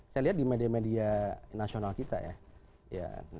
saya lihat di media media nasional kita ya